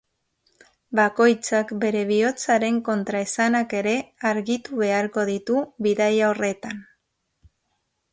Bakoitzak bere bihotzaren kontraesanak ere argitu beharko ditu bidaia horretan.